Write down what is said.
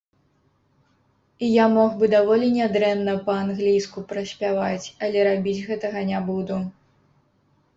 І я мог бы даволі нядрэнна па-англійску праспяваць, але рабіць гэтага не буду.